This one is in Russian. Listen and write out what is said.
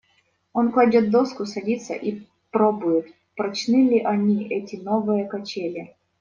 Он кладет доску, садится и пробует, прочны ли они, эти новые качели.